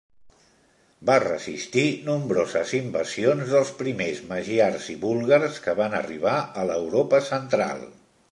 Va resistir nombroses invasions dels primers magiars i búlgars que van arribar a l'Europa central.